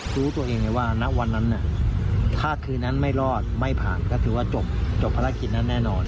รู้ตัวเองเลยว่าณวันนั้นถ้าคืนนั้นไม่รอดไม่ผ่านก็ถือว่าจบภารกิจนั้นแน่นอน